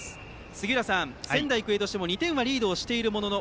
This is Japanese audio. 杉浦さん、仙台育英としても２点はリードしているものの